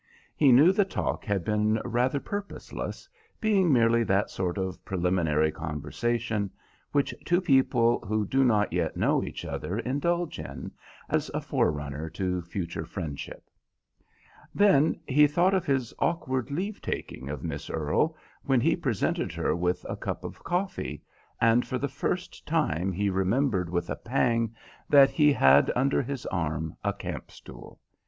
He knew the talk had been rather purposeless, being merely that sort of preliminary conversation which two people who do not yet know each other indulge in, as a forerunner to future friendship. Then, he thought of his awkward leave taking of Miss Earle when he presented her with the cup of coffee, and for the first time he remembered with a pang that he had under his arm a camp stool.